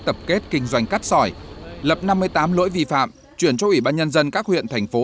tập kết kinh doanh cắt sỏi lập năm mươi tám lỗi vi phạm chuyển cho ủy ban nhân dân các huyện thành phố